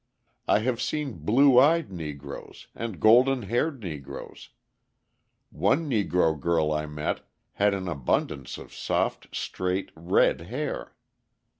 I have seen blue eyed Negroes and golden haired Negroes; one Negro girl I met had an abundance of soft straight red hair.